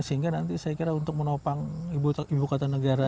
sehingga nanti saya kira untuk menopang ibu kota negara